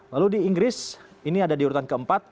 lalu di inggris ini ada di urutan keempat